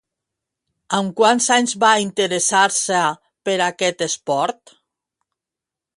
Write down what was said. Amb quants anys va interessar-se per aquest esport?